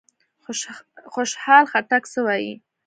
خوشحال خټک څه وايي؟